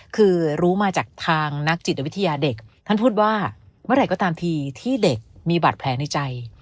คือรู้มาจากทางนักจิตวิทยาเด็กท่านพูดว่าเมื่อไหร่ก็ตามทีที่เด็กมีบาดแผลในใจ